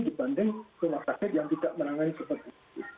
dibanding rumah sakit yang tidak menangani covid